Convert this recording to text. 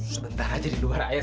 sebentar aja di luar ayah